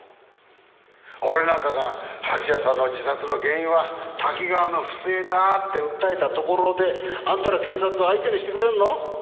俺なんかが蜂矢さんの自殺の原因はタキガワの不正だ！って訴えたところであんたら警察は相手にしてくれるの？